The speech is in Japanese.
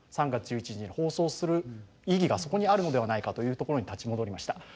３月１１日に放送する意義がそこにあるのではないかというところに立ち戻りました。